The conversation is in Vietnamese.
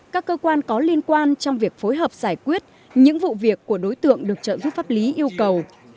các cơ quan có liên quan trong việc phối hợp giải quyết những vụ việc của đối tượng được trợ giúp pháp lý yêu cầu